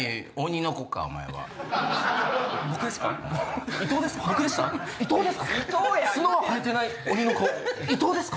僕ですか？